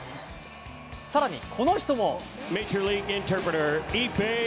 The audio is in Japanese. さらにこの人も。